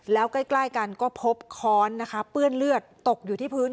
แล้วใกล้กันก็พบค้อนนะคะเปื้อนเลือดตกอยู่ที่พื้น